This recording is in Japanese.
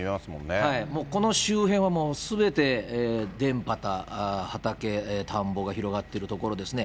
この周辺はもう、すべて田畑、畑、田んぼが広がっている所ですね。